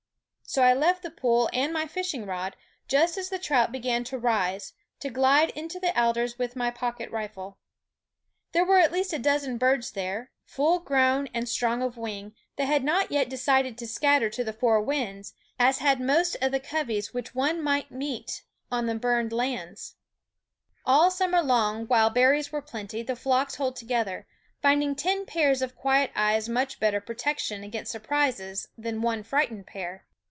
So I left the pool and my fishing rod, just as the trout began to rise, to glide into the alders with my pocket rifle. There were at least a dozen birds there, full grown and strong of wing, that had not yet decided to scatter to the four winds, as THE WOODS & had most of the coveys which one might meet on the burned lands. All summer ^ partridges' long, while berries are plenty, the flocks hold RoIIjCall^ together, finding ten pairs of quiet eyes much better protection against surprises than one frightened pair.